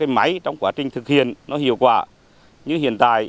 máy văn chỉnh